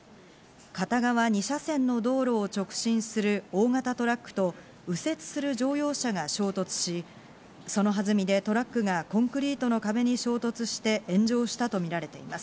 片側２車線の道路を直進する大型トラックと右折する乗用車が衝突し、そのはずみでトラックがコンクリートの壁に衝突して炎上したとみられています。